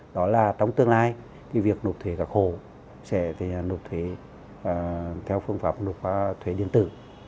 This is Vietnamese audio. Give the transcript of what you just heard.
đó là trong tương lai cái việc nộp thuế cả khổ sẽ nộp thuế theo phương pháp nộp thuế điện tử